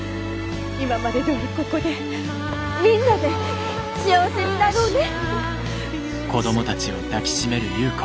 今までどおりここでみんなで幸せになろうね。